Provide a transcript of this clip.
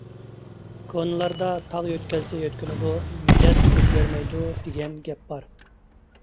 كونىلاردا ‹ ‹تاغ يۆتكەلسە يۆتكىلىدۇ، مىجەز ئۆزگەرمەيدۇ› › دېگەن گەپ بار.